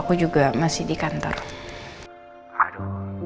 aduh aku juga masih di kantor ya ini enggak juga aku juga masih di kantor